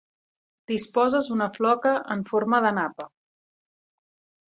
Disposes una floca en forma de napa.